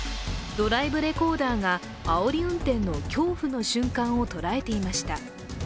ドライブレコーダーがあおり運転の恐怖の瞬間を捉えていました。